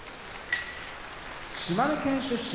島根県出身